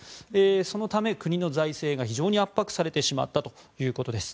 そのため、国の財政が非常に圧迫されてしまったということです。